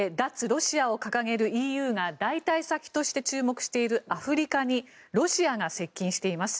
ロシアを掲げるＥＵが代替先として注目しているアフリカにロシアが接近しています。